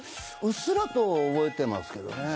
うっすらと覚えてますけどね。